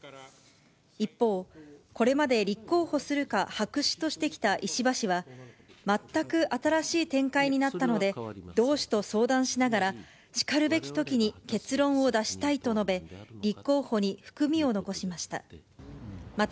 一方、これまで立候補するか白紙としてきた石破氏は、全く新しい展開になったので、同志と相談しながら、しかるべきときに結論を出したいと述べ、立候補に含みを残しました。